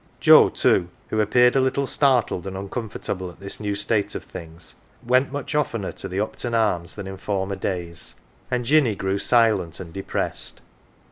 Joe, too, who appeared a little startled and uncomfortable at this new state of things, went much oftener to the Upton Arms than in former days, and Jinny grew silent and depressed.